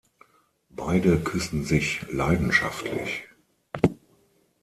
Beide küssen sich leidenschaftlich.